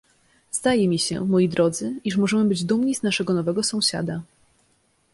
"Zdaje mi się, moi drodzy, iż możemy być dumni z naszego nowego sąsiada."